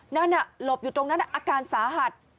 นั่นหลบอยู่ตรงนั้นอาการสาหัส